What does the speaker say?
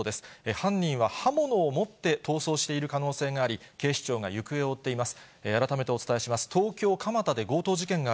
犯人は刃物を持って逃走している可能性があり、警視庁が行方を追っています。